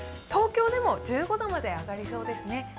東京でも１５度まで上がりそうですね。